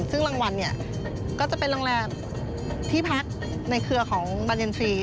ซึ่งรางวัลเนี่ยก็จะเป็นโรงแรมที่พักในเครือของบรรเย็นทรีย์